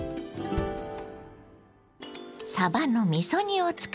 さばのみそ煮を使います。